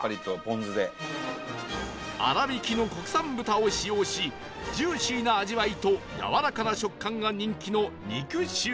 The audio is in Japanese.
粗挽きの国産豚を使用しジューシーな味わいとやわらかな食感が人気の